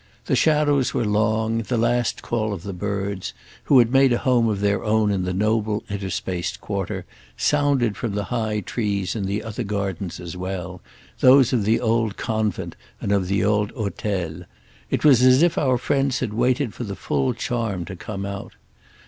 The shadows were long, the last call of the birds, who had made a home of their own in the noble interspaced quarter, sounded from the high trees in the other gardens as well, those of the old convent and of the old hôtels; it was as if our friends had waited for the full charm to come out.